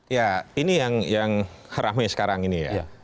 ya ini yang ramai sekarang ini ya